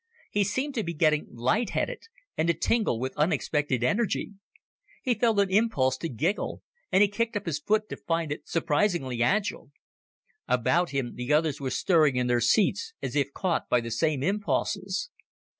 He seemed to be getting lightheaded, and to tingle with unexpected energy. He felt an impulse to giggle, and he kicked up his foot to find it surprisingly agile. About him the others were stirring in their seats as if caught by the same impulses.